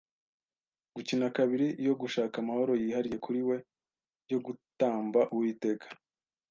gukina kabiri - yo gushaka amahoro yihariye kuri we, yo gutamba Uwiteka